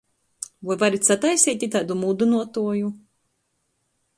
Voi varit sataiseit itaidu mūdynuotuoju?